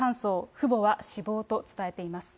父母は死亡と伝えています。